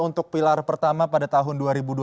untuk pilar pertama pada tahun dua ribu dua puluh